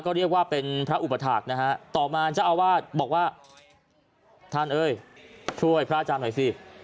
ก็เรียกว่าเป็นพระอุปถาคนะฮะต่อมาเจ้าอาวาสบอกว่าท่านเอ้ยช่วยพระอาจารย์หน่อยสิ